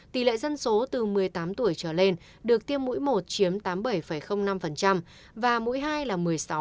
tỷ lệ dân số từ một mươi tám tuổi trở lên được tiêm mũi một chiếm tám mươi bảy năm và mũi hai là một mươi sáu